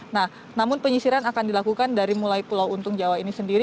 nah namun penyisiran akan dilakukan dari mulai pulau untung jawa ini sendiri